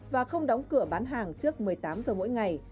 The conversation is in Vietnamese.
và không đóng cửa bán hàng trước một mươi tám giờ mỗi ngày